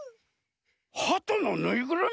ハトのぬいぐるみ？